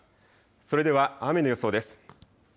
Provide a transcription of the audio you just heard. それでは雨の予想です。